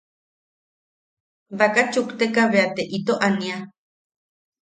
Baka chukteka bea te ito ania.